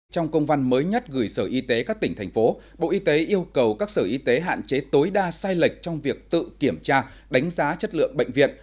trong công văn mới nhất gửi sở y tế các tỉnh thành phố bộ y tế yêu cầu các sở y tế hạn chế tối đa sai lệch trong việc tự kiểm tra đánh giá chất lượng bệnh viện